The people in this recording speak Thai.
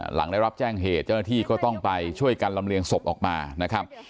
หลังได้รับแจ้งเหตุเจ้าหน้าที่ก็ต้องไปช่วยกันลำเลียงศพออกมานะครับ